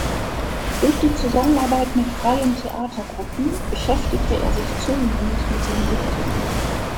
Durch die Zusammenarbeit mit freien Theatergruppen beschäftigte er sich zunehmend mit dem Musiktheater.